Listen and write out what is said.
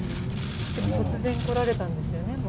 突然来られたんですよね、もう。